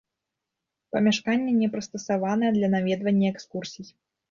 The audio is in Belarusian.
Памяшканне не прыстасаванае для наведвання экскурсій.